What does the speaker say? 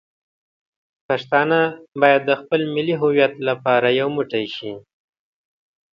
پښتانه باید د خپل ملي هویت لپاره یو موټی شي.